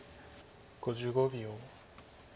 ５５秒。